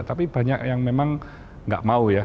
tapi banyak yang memang nggak mau ya